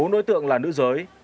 bốn đối tượng là nữ giới